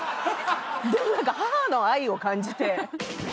でも何か母の愛を感じて。